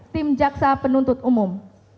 tim jaksa penuntut umum